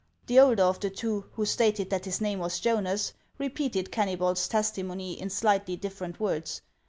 The older of the two, who slated that his name was Jonas, repeated Kennybol's testimony in slightly different words.